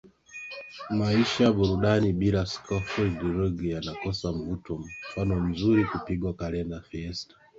maisha burudani bila Scofield Ruge yanakosa Mvuto mfano mzuri kupigwa kalenda fiesta